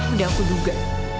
udah aku duga